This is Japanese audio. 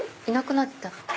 いなくなった。